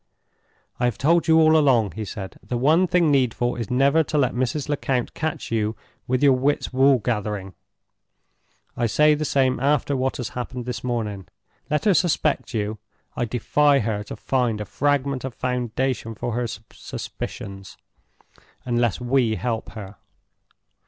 "I have told you all along," he said, "the one thing needful is never to let Mrs. Lecount catch you with your wits wool gathering. I say the same after what has happened this morning. Let her suspect you! I defy her to find a fragment of foundation for her suspicions, unless we help her.